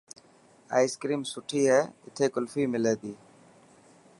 ائس ڪريم سٺي هي.اٿي ڪلفي ملي تي.